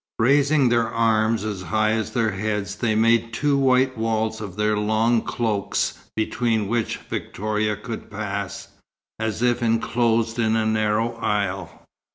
Raising their arms as high as their heads they made two white walls of their long cloaks between which Victoria could pass, as if enclosed in a narrow aisle.